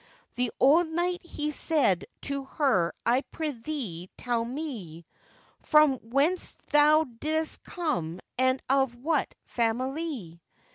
The old knight he said to her, 'I prithee tell me, From whence thou didst come and of what family?